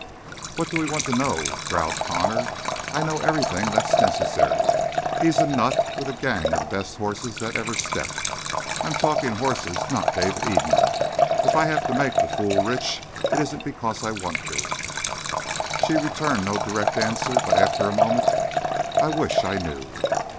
"What do we want to know?" growled Connor. "I know everything that's necessary. He's a nut with a gang of the best horses that ever stepped. I'm talking horse, not David Eden. If I have to make the fool rich, it isn't because I want to." She returned no direct answer, but after a moment: "I wish I knew."